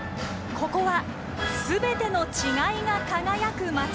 ここはすべての違いが輝く街